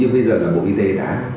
bây giờ là bộ y tế đã